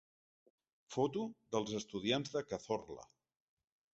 Foto dels estudiants de Cazorla.